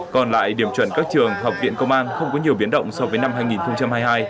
còn lại điểm chuẩn các trường học viện công an không có nhiều biến động so với năm hai nghìn hai mươi hai